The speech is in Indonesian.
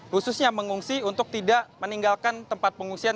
khususnya mengungsi untuk tidak meninggalkan tempat pengungsian